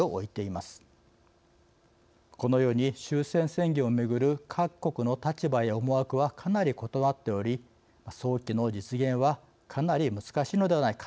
このように終戦宣言を巡る各国の立場や思惑はかなり異なっており早期の実現はかなり難しいのではないか。